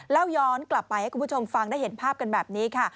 แล้วย้อนกลับไปให้คุณผู้ชมฟังได้เห็นภาพกันแบบนี้ค่ะ